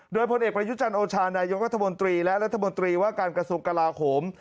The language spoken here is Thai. โดยพลเอกประยุจันทร์โอชานายกรัฐมนตรีและรัฐมนตรีว่าการกระทรวงกลาโหม